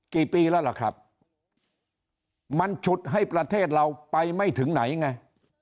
กี่ปีแล้วล่ะครับมันฉุดให้ประเทศเราไปไม่ถึงไหนไง